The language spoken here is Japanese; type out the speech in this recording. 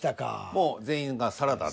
もう全員がサラダで。